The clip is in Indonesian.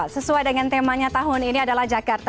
sesuai dengan temanya tahun ini adalah jakarta